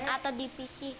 atau di pc